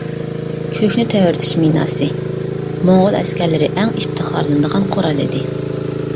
«كۆكنى تەۋرىتىش مىناسى» موڭغۇل ئەسكەرلىرى ئەڭ ئىپتىخارلىنىدىغان قورال ئىدى.